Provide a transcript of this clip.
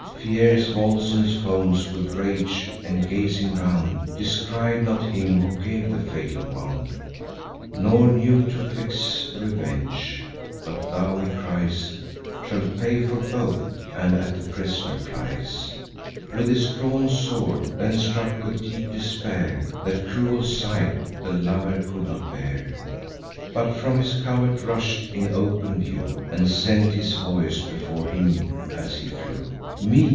Fierce Volscens foams with rage, and, gazing round, Descried not him who gave the fatal wound, Nor knew to fix revenge: "But thou," he cries, "Shalt pay for both," and at the pris'ner flies With his drawn sword. Then, struck with deep despair, That cruel sight the lover could not bear; But from his covert rush'd in open view, And sent his voice before him as he flew: "Me!